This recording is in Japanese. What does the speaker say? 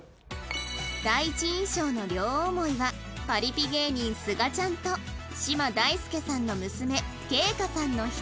第一印象の両思いはパリピ芸人すがちゃんと嶋大輔さんの娘圭叶さんの１組